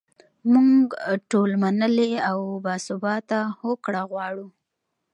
موږ ټول منلې او باثباته هوکړه غواړو.